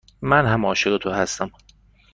من هم عاشق تو هستم.